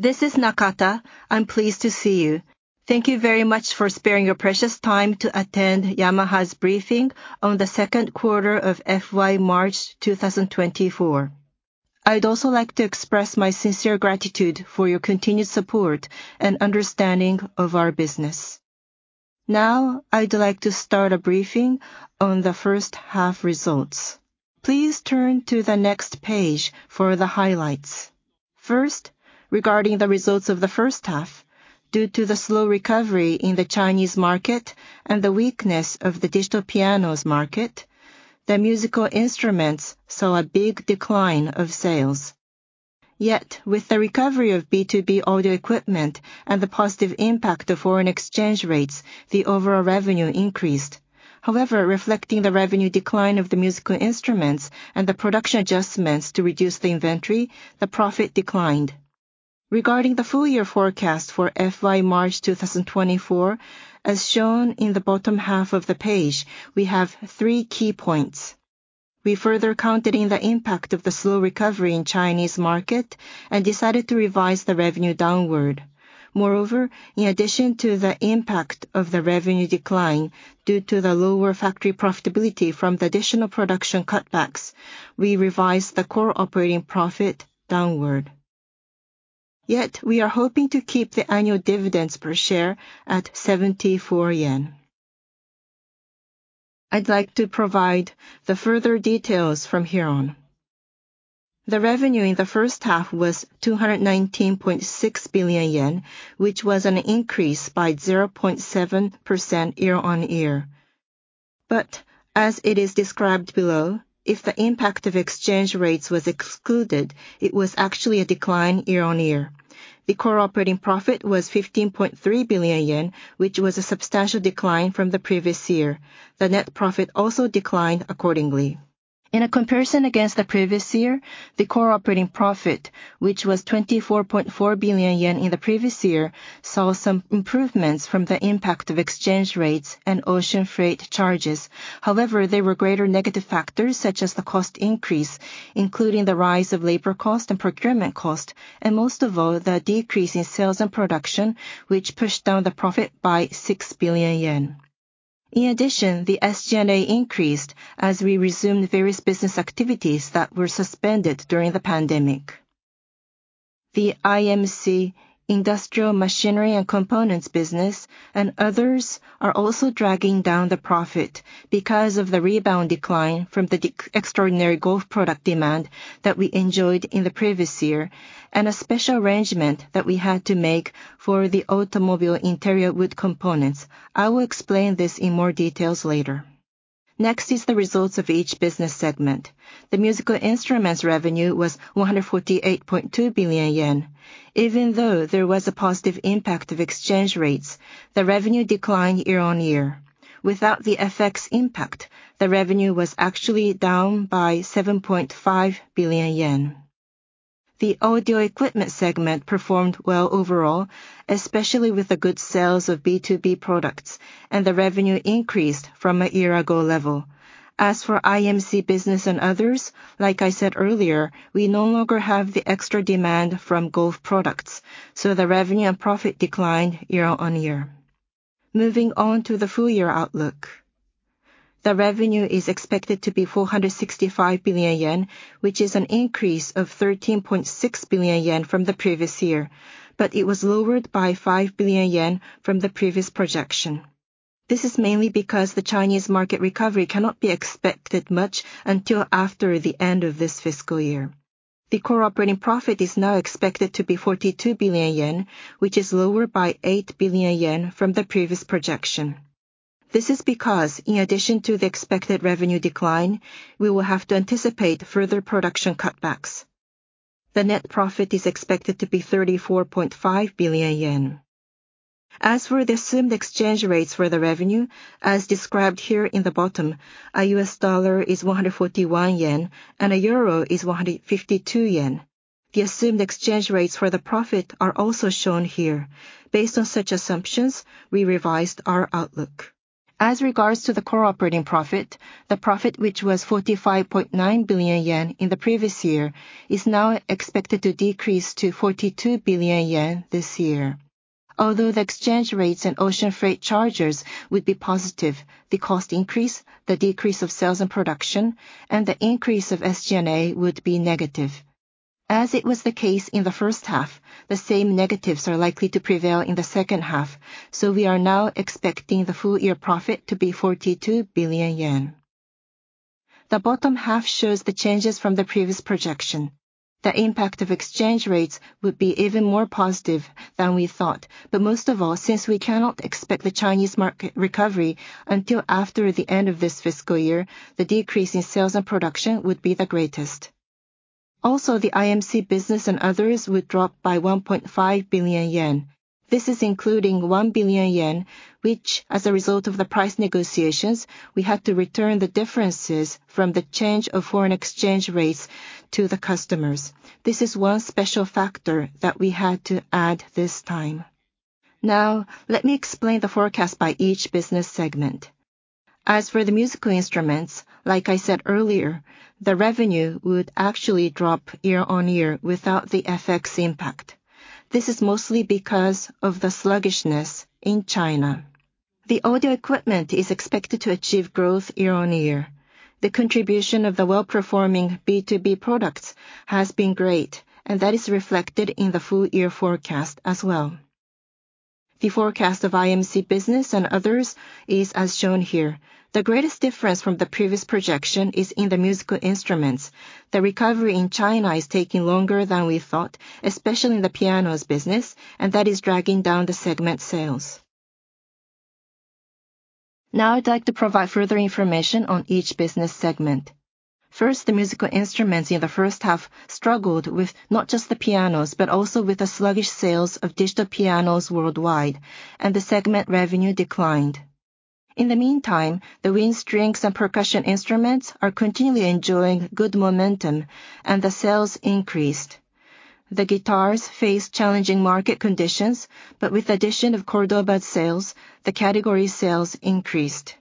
This is Nakata. I'm pleased to see you. Thank you very much for sparing your precious time to attend Yamaha's briefing on the Q2 of FY March 2024. I'd also like to express my sincere gratitude for your continued support and understanding of our business. Now, I'd like to start a briefing on the first half results. Please turn to the next page for the highlights. First, regarding the results of the first half, due to the slow recovery in the Chinese market and the weakness of the Digital Pianos market, the musical instruments saw a big decline of sales. Yet with the recovery of B2B audio equipment and the positive impact of foreign exchange rates, the overall revenue increased. However, reflecting the revenue decline of the musical instruments and the production adjustments to reduce the inventory, the profit declined. Regarding the full year forecast for FY March 2024, as shown in the bottom half of the page, we have three key points. We further counted in the impact of the slow recovery in Chinese market and decided to revise the revenue downward. Moreover, in addition to the impact of the revenue decline due to the lower factory profitability from the additional production cutbacks, we revised the Core Operating Profit downward, yet we are hoping to keep the annual dividends per share at 74 yen. I'd like to provide the further details from here on. The revenue in the first half was 219.6 billion yen, which was an increase by 0.7% year-on-year. But as it is described below, if the impact of exchange rates was excluded, it was actually a decline year-on-year. The core operating profit was 15.3 billion yen, which was a substantial decline from the previous year. The net profit also declined accordingly. In a comparison against the previous year, the core operating profit, which was 24.4 billion yen in the previous year, saw some improvements from the impact of exchange rates and ocean freight charges. However, there were greater negative factors, such as the cost increase, including the rise of labor cost and procurement cost, and most of all, the decrease in sales and production, which pushed down the profit by 6 billion yen. In addition, the SG&A increased as we resumed various business activities that were suspended during the pandemic. The IMC, Industrial Machinery and Components business, and others are also dragging down the profit because of the rebound decline from the extraordinary golf product demand that we enjoyed in the previous year, and a special arrangement that we had to make for the automobile interior wood components. I will explain this in more details later. Next is the results of each business segment. The musical instruments revenue was 148.2 billion yen. Even though there was a positive impact of exchange rates, the revenue declined year-on-year. Without the FX impact, the revenue was actually down by 7.5 billion yen. The audio equipment segment performed well overall, especially with the good sales of B2B products, and the revenue increased from a year ago level. As for IMC business and others, like I said earlier, we no longer have the extra demand from golf products, so the revenue and profit declined year-on-year. Moving on to the full year outlook. The revenue is expected to be 465 billion yen, which is an increase of 13.6 billion yen from the previous year, but it was lowered by 5 billion yen from the previous projection. This is mainly because the Chinese market recovery cannot be expected much until after the end of this fiscal year. The core operating profit is now expected to be 42 billion yen, which is lower by 8 billion yen from the previous projection. This is because, in addition to the expected revenue decline, we will have to anticipate further production cutbacks. The net profit is expected to be 34.5 billion yen. As for the assumed exchange rates for the revenue, as described here in the bottom, a US dollar is 141 yen, and a euro is 152 yen. The assumed exchange rates for the profit are also shown here. Based on such assumptions, we revised our outlook. As regards to the core operating profit, the profit, which was 45.9 billion yen in the previous year, is now expected to decrease to 42 billion yen this year. Although the exchange rates and ocean freight charges would be positive, the cost increase, the decrease of sales and production, and the increase of SG&A would be negative. As it was the case in the first half, the same negatives are likely to prevail in the second half, so we are now expecting the full year profit to be 42 billion yen. The bottom half shows the changes from the previous projection. The impact of exchange rates would be even more positive than we thought, but most of all, since we cannot expect the Chinese market recovery until after the end of this fiscal year, the decrease in sales and production would be the greatest. Also, the IMC business and others would drop by 1.5 billion yen. This is including 1 billion yen, which, as a result of the price negotiations, we had to return the differences from the change of foreign exchange rates to the customers. This is one special factor that we had to add this time. Now, let me explain the forecast by each business segment. As for the musical instruments, like I said earlier, the revenue would actually drop year-on-year without the FX impact. This is mostly because of the sluggishness in China. The audio equipment is expected to achieve growth year-over-year. The contribution of the well-performing B2B products has been great, and that is reflected in the full-year forecast as well. The forecast of IMC business and others is as shown here. The greatest difference from the previous projection is in the musical instruments. The recovery in China is taking longer than we thought, especially in the pianos business, and that is dragging down the segment sales. Now I'd like to provide further information on each business segment. First, the musical instruments in the first half struggled with not just the pianos, but also with the sluggish sales of digital pianos worldwide, and the segment revenue declined. In the meantime, the wind, strings, and percussion instruments are continually enjoying good momentum, and the sales increased. The guitars faced challenging market conditions, but with addition of Córdoba sales, the category sales increased.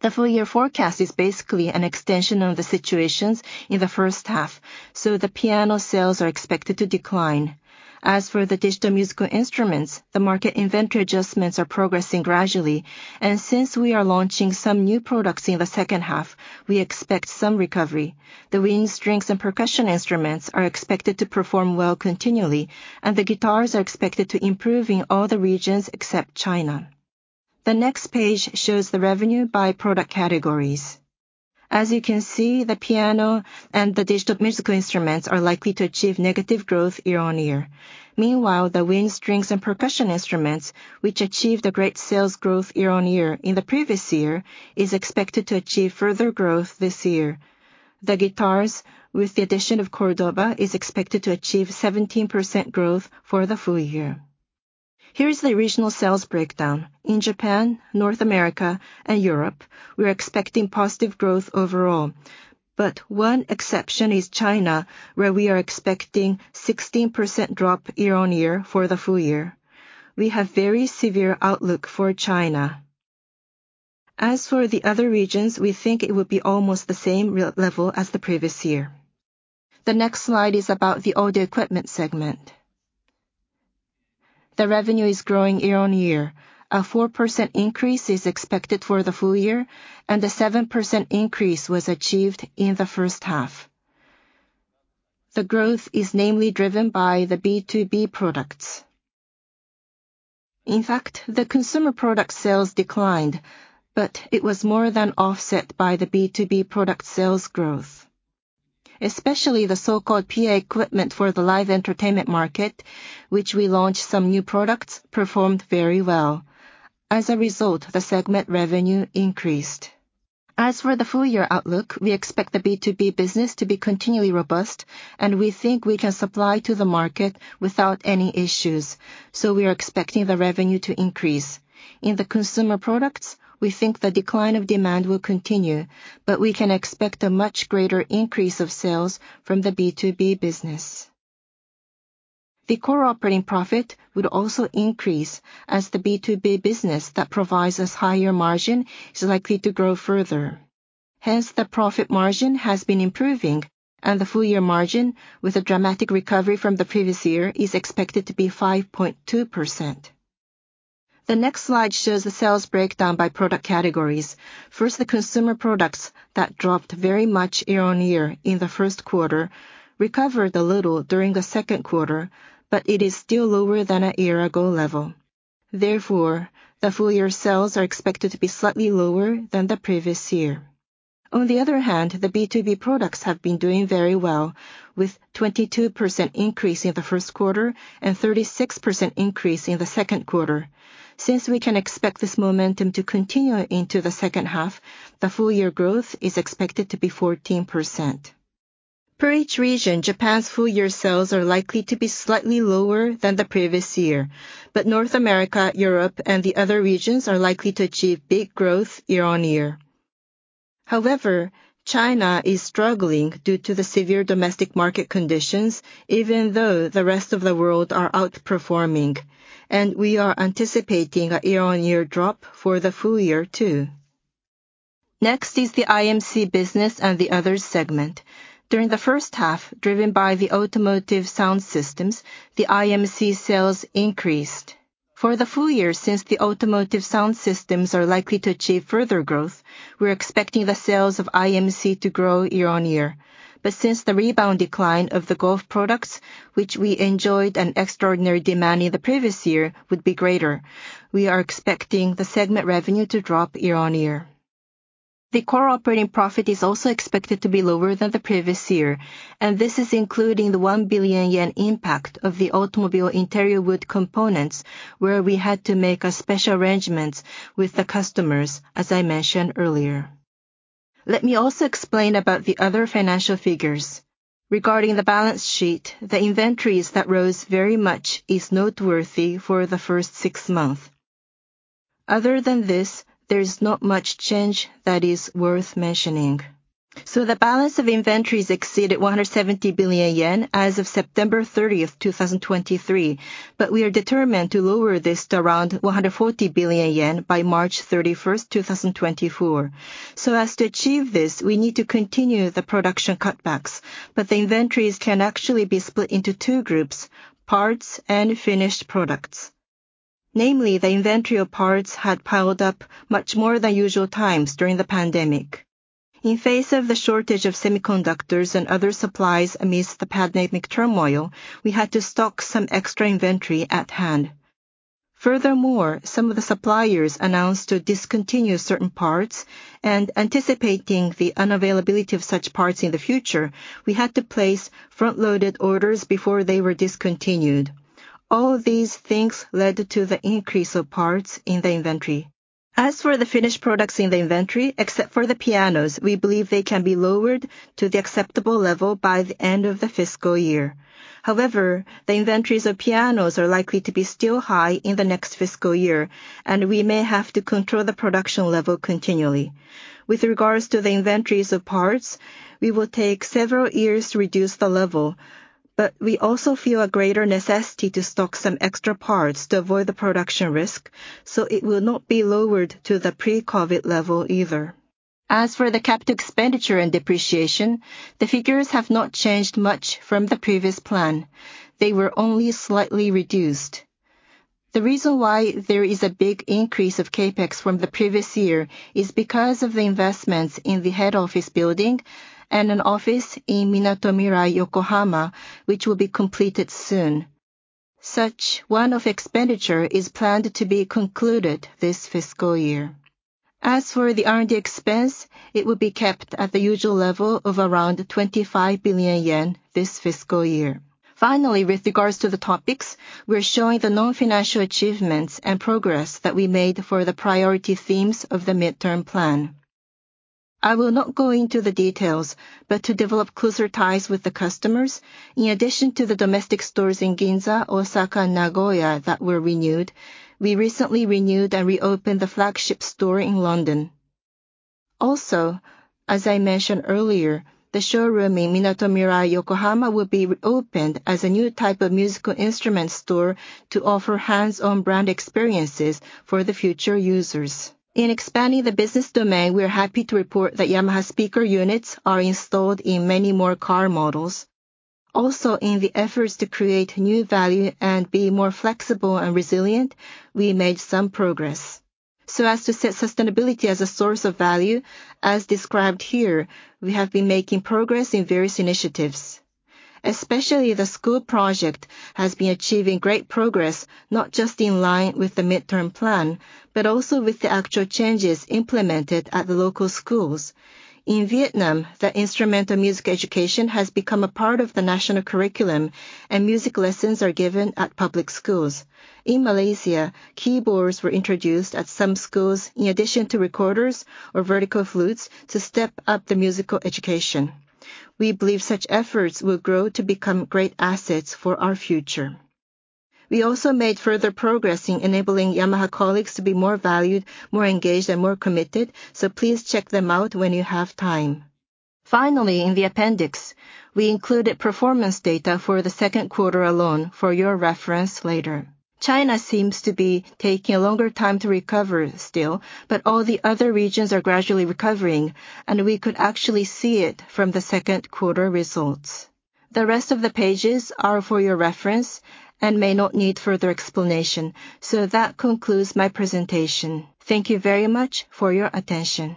The full year forecast is basically an extension of the situations in the first half, so the piano sales are expected to decline. As for the digital musical instruments, the market inventory adjustments are progressing gradually, and since we are launching some new products in the second half, we expect some recovery. The wind, strings, and percussion instruments are expected to perform well continually, and the guitars are expected to improve in all the regions except China. The next page shows the revenue by product categories. As you can see, the piano and the digital musical instruments are likely to achieve negative growth year-on-year. Meanwhile, the wind, strings, and percussion instruments, which achieved a great sales growth year-on-year in the previous year, is expected to achieve further growth this year. The guitars, with the addition of Córdoba, is expected to achieve 17% growth for the full year. Here is the regional sales breakdown. In Japan, North America, and Europe, we are expecting positive growth overall, but one exception is China, where we are expecting 16% drop year-on-year for the full year. We have very severe outlook for China. As for the other regions, we think it would be almost the same level as the previous year. The next slide is about the audio equipment segment. The revenue is growing year-on-year. A 4% increase is expected for the full year, and a 7% increase was achieved in the first half. The growth is mainly driven by the B2B products. In fact, the consumer product sales declined, but it was more than offset by the B2B product sales growth, especially the so-called PA equipment for the live entertainment market, which we launched some new products, performed very well. As a result, the segment revenue increased. As for the full year outlook, we expect the B2B business to be continually robust, and we think we can supply to the market without any issues, so we are expecting the revenue to increase. In the consumer products, we think the decline of demand will continue, but we can expect a much greater increase of sales from the B2B business. The Core Operating Profit would also increase as the B2B business that provides us higher margin is likely to grow further. Hence, the profit margin has been improving, and the full year margin, with a dramatic recovery from the previous year, is expected to be 5.2%. The next slide shows the sales breakdown by product categories. First, the consumer products that dropped very much year-over-year in the first quarter recovered a little during the Q2, but it is still lower than a year ago level. Therefore, the full year sales are expected to be slightly lower than the previous year. On the other hand, the B2B products have been doing very well, with 22% increase in the first quarter and 36% increase in the Q2. Since we can expect this momentum to continue into the second half, the full year growth is expected to be 14%. Per each region, Japan's full year sales are likely to be slightly lower than the previous year, but North America, Europe, and the other regions are likely to achieve big growth year-on-year. However, China is struggling due to the severe domestic market conditions, even though the rest of the world are outperforming, and we are anticipating a year-on-year drop for the full year, too. Next is the IMC business and the other segment. During the first half, driven by the Automotive Sound Systems, the IMC sales increased. For the full year, since the Automotive Sound Systems are likely to achieve further growth, we're expecting the sales of IMC to grow year-on-year. But since the rebound decline of the golf products, which we enjoyed an extraordinary demand in the previous year, would be greater, we are expecting the segment revenue to drop year-on-year. The Core Operating Profit is also expected to be lower than the previous year, and this is including the 1 billion yen impact of the Automobile Interior Wood Components, where we had to make a special arrangements with the customers, as I mentioned earlier. Let me also explain about the other financial figures. Regarding the balance sheet, the inventories that rose very much is noteworthy for the first six months. Other than this, there is not much change that is worth mentioning. So the balance of inventories exceeded 170 billion yen as of September 30th, 2023, but we are determined to lower this to around 140 billion yen by March 31st, 2024. So as to achieve this, we need to continue the production cutbacks, but the inventories can actually be split into two groups, parts and finished products. Namely, the inventory of parts had piled up much more than usual times during the pandemic. In the face of the shortage of semiconductors and other supplies amidst the pandemic turmoil, we had to stock some extra inventory at hand. Furthermore, some of the suppliers announced to discontinue certain parts, and anticipating the unavailability of such parts in the future, we had to place front-loaded orders before they were discontinued. All these things led to the increase of parts in the inventory. As for the finished products in the inventory, except for the pianos, we believe they can be lowered to the acceptable level by the end of the fiscal year. However, the inventories of pianos are likely to be still high in the next fiscal year, and we may have to control the production level continually. With regards to the inventories of parts, we will take several years to reduce the level, but we also feel a greater necessity to stock some extra parts to avoid the production risk, so it will not be lowered to the pre-COVID level either. As for the capital expenditure and depreciation, the figures have not changed much from the previous plan. They were only slightly reduced. The reason why there is a big increase of CapEx from the previous year is because of the investments in the head office building and an office in Minatomirai, Yokohama, which will be completed soon. Such one-off expenditure is planned to be concluded this fiscal year. As for the R&D expense, it will be kept at the usual level of around 25 billion yen this fiscal year. Finally, with regards to the topics, we're showing the non-financial achievements and progress that we made for the priority themes of the midterm plan. I will not go into the details, but to develop closer ties with the customers, in addition to the domestic stores in Ginza, Osaka, and Nagoya that were renewed, we recently renewed and reopened the flagship store in London. Also, as I mentioned earlier, the showroom in Minatomirai, Yokohama will be opened as a new type of musical instrument store to offer hands-on brand experiences for the future users. In expanding the business domain, we are happy to report that Yamaha Speaker Units are installed in many more car models. Also, in the efforts to create new value and be more flexible and resilient, we made some progress. So as to set sustainability as a source of value, as described here, we have been making progress in various initiatives. Especially the school project has been achieving great progress, not just in line with the midterm plan, but also with the actual changes implemented at the local schools. In Vietnam, the instrumental music education has become a part of the national curriculum, and music lessons are given at public schools. In Malaysia, keyboards were introduced at some schools, in addition to recorders or vertical flutes, to step up the musical education. We believe such efforts will grow to become great assets for our future. We also made further progress in enabling Yamaha colleagues to be more valued, more engaged, and more committed, so please check them out when you have time. Finally, in the appendix, we included performance data for the Q2 alone for your reference later. China seems to be taking a longer time to recover still, but all the other regions are gradually recovering, and we could actually see it from the Q2 results. The rest of the pages are for your reference and may not need further explanation, so that concludes my presentation. Thank you very much for your attention.